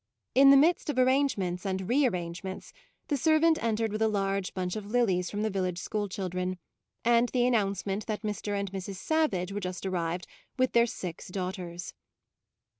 In the midst of arrange ments and re arrangements, the ser vant entered with a large bunch of lilies from the village school children, and the announcement that Mr. and Mrs. Savage were just arrived with their six daughters.